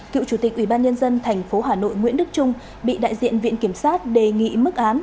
cựu chủ tịch ủy ban nhân dân thành phố hà nội nguyễn đức trung bị đại diện viện kiểm sát đề nghị mức án